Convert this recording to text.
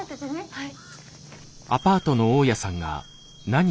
はい。